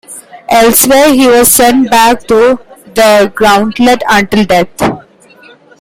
Elsewhere, he was sent back through the gauntlet until death.